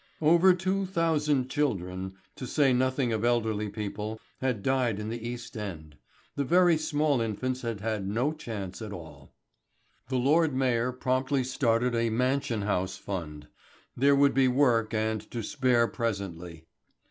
Over two thousand children to say nothing of elderly people had died in the East End. The very small infants had had no chance at all. The Lord Mayor promptly started a Mansion House fund. There would be work and to spare presently.